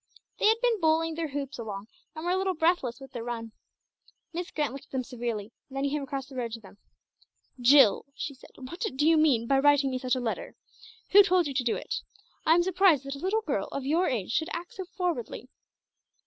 They had been bowling their hoops along, and were a little breathless with their run. Miss Grant looked at them severely, then came across the road to them. "Jill," she said, "what do you mean by writing me such a letter? Who told you to do it? I am surprised that a little girl of your age should act so forwardly!"